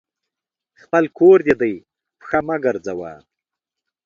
خپل کور دي دی ، پښه مه ګرځوه !